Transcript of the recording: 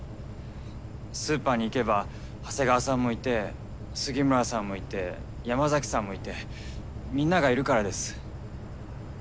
スーパーに行けば長谷川さんもいて杉村さんもいて山崎さんもいてみんながいるからです。